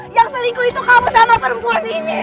yang selingkuh itu kamu sama perempuan ini